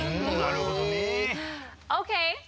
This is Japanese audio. なるほどね。ＯＫ！